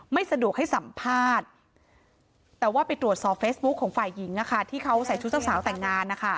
ไม่สะดวกให้สัมภาษณ์แต่ว่าไปตรวจสอบเฟซบุ๊คของฝ่ายหญิงที่เขาใส่ชุดเจ้าสาวแต่งงานนะคะ